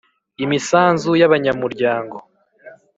Imisanzu y abanya muryango